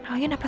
lagian apa sih